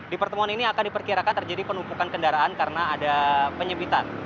di pertemuan ini akan diperkirakan terjadi penumpukan kendaraan karena ada penyepitan